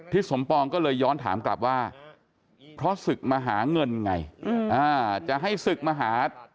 สมปองก็เลยย้อนถามกลับว่าเพราะศึกมาหาเงินไงจะให้ศึกมาหา